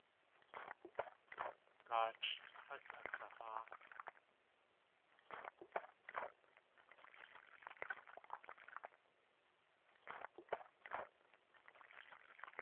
Gáalʼ has akaháa.